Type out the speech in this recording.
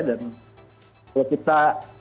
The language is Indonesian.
dan kalau kita